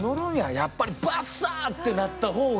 やっぱりバッサーってなった方が。